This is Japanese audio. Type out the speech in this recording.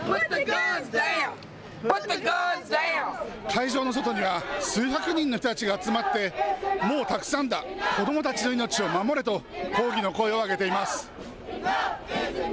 会場の外には数百人の人たちが集まって、もうたくさんだ、子どもたちの命を守れと、抗議の声を上げています。